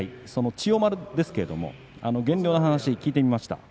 千代丸ですが減量の話、聞いてみました。